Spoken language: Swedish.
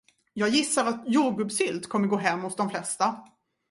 Jag gissar att jordgubbssylt kommer gå hem hos de flesta.